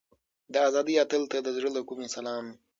د ازادۍ اتل ته د زړه له کومې سلام.